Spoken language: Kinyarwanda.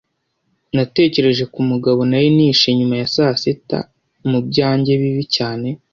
natekereje kumugabo nari nishe nyuma ya saa sita, mubyanjye bibi cyane